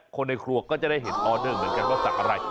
ก็จะได้เห็นออเดอร์เหมือนกันว่าระดับอะไร